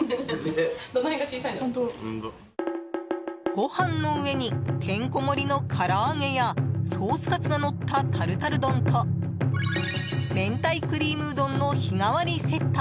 ご飯の上にてんこ盛りのから揚げやソースカツがのったタルタル丼と明太クリームうどんの日替わりセット